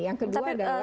yang kedua adalah